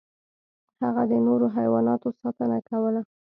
هغه د نورو حیواناتو ساتنه کوله.